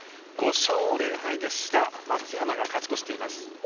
５勝０敗で志田、松山が勝ち越しています。